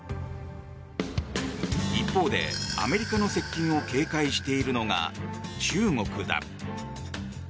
一方で、アメリカの接近を警戒しているのが中国だ。